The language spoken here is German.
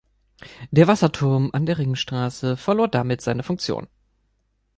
Der Wasserturm an der Ringstraße verlor damit seine Funktion.